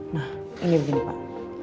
nah ini begini pak